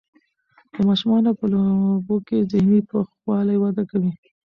د ماشومانو په لوبو کې ذهني پوخوالی وده کوي.